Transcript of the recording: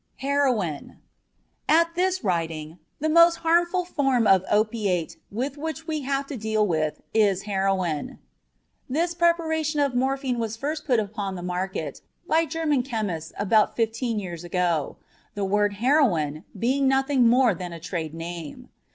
HEROIN At this writing the most harmful form of opiate with which we have to deal is heroin. This preparation of morphine was first put upon the market by German chemists about fifteen years ago, the word "heroin" being nothing more than a trade name.